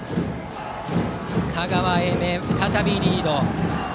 香川・英明、再びリード。